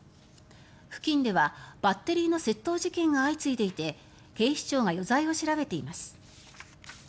付近ではバッテリーの窃盗事件が相次いでいて警視庁が余罪を調べています。